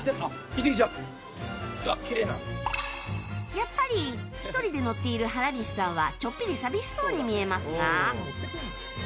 やっぱり１人で乗っている原西さんはちょっぴり寂しそうに見えますが。